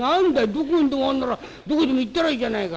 どこにでもあるんならどこでも行ったらいいじゃないか」。